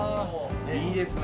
いいですね